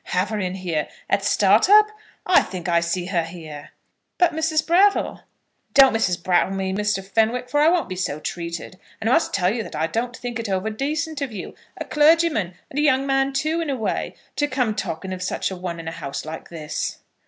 Have her in here at Startup? I think I see her here!" "But, Mrs. Brattle " "Don't Mrs. Brattle me, Mr. Fenwick, for I won't be so treated. And I must tell you that I don't think it over decent of you, a clergyman, and a young man, too, in a way, to come talking of such a one in a house like this."